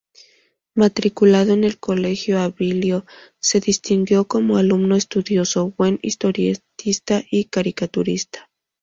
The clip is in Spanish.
Matriculado en el colegio Abilio, se distinguió como alumno estudioso, buen historietista y caricaturista.